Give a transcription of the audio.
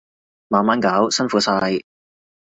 慢慢搞，辛苦晒